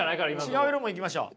違う色もいきましょう。